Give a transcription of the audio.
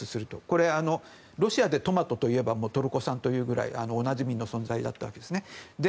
これ、ロシアでトマトといえばトルコ産というくらいおなじみの存在だったわけですね。